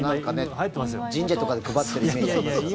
神社とかで配ってるイメージ。